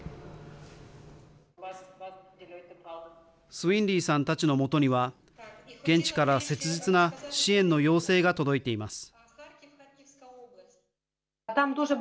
スウィンリーさんたちのもとには現地から切実な支援の要請が届いています。